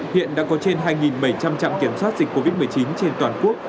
hiện đã có trên hai bảy trăm linh trạm kiểm soát dịch covid một mươi chín trên toàn quốc